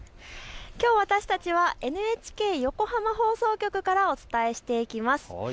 きょう私たちはＮＨＫ横浜放送局からお伝えしていきます。